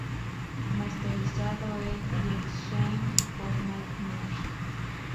Masterizado en The Exchange por Mike Marsh.